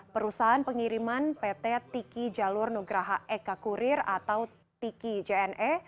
perusahaan pengiriman pt tiki jalur nugraha eka kurir atau tiki jne